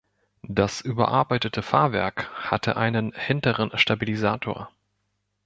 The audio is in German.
Das überarbeitete Fahrwerk hatte einen hinteren Stabilisator.